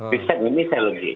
riset ini saya lebih